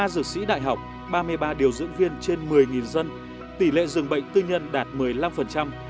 ba dược sĩ đại học ba mươi ba điều dưỡng viên trên một mươi dân tỷ lệ dường bệnh tư nhân đạt một mươi năm